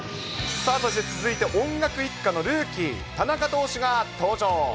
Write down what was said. さあ、そして続いて音楽一家のルーキー、田中投手が登場。